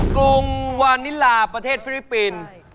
กรุงวานิลาประเทศฟิลิปปินส์